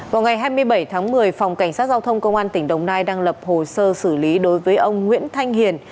vào ngày hai mươi bảy tháng một mươi phòng cảnh sát giao thông công an tỉnh đồng nai đang lập hồ sơ xử lý đối với ông nguyễn thanh hiền